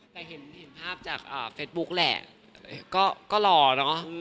แต่เห็นภาพจากเฟซบุ๊คแหละก็รอเนอะ